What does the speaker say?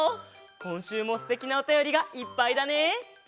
こんしゅうもすてきなおたよりがいっぱいだね！